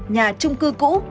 nhà trung cư cũ